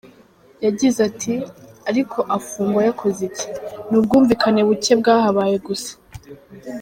Yagize ati: "Ariko afungwa yakoze iki? ni ubwumvikane buke bwahabaye gusa.